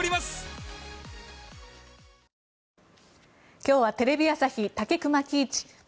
今日はテレビ朝日武隈喜一元